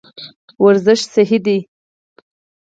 ورزش صحي دی.